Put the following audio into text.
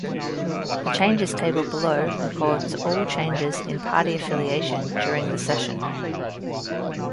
The changes table below records all changes in party affiliation during the session.